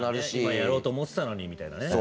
今やろうと思ってたのにみたいなね。